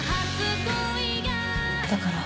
だから。